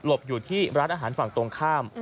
บอยู่ที่ร้านอาหารฝั่งตรงข้าม